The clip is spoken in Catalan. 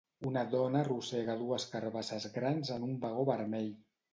Una dona arrossega dues carbasses grans en un vagó vermell.